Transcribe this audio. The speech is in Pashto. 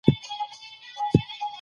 ـ چې لوريږي مې، کور مې نه ورانيږي.